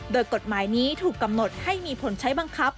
โดยกฎหมายนี้ถูกกำหนดให้มีผลใช้บังคับ